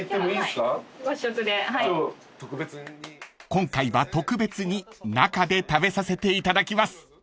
［今回は特別に中で食べさせていただきます］